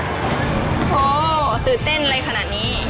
โธ่ตื่นเต้นเลยขนาดนี้